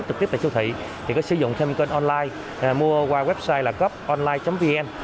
trực tiếp tại siêu thị thì có sử dụng thêm kênh online mua qua website là goponline vn